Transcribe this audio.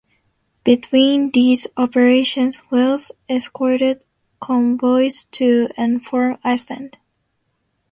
Between these operations, "Wells" escorted convoys to and from Iceland.